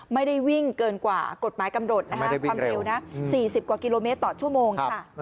ไม่ได้วิ่งเกินกว่ากฎหมายกำหนดความเร็วนะ๔๐กว่ากิโลเมตรต่อชั่วโมงค่ะ